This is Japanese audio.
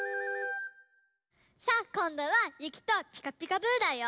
さあこんどはゆきと「ピカピカブ！」だよ。